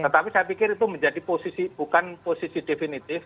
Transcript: tetapi saya pikir itu menjadi posisi bukan posisi definitif